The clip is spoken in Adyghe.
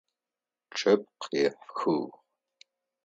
Чъэп къехыгъ.